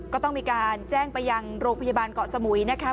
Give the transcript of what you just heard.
ก็ต้องมีการแจ้งไปยังโรงพยาบาลเกาะสมุยนะคะ